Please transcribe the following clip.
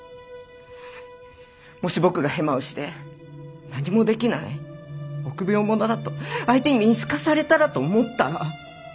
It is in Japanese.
もし僕がヘマをして「何もできない臆病者だ」と相手に見透かされたらと思ったら。